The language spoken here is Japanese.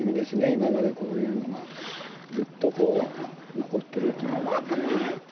今までこういうのがずっとこう残ってるというのはねぇ。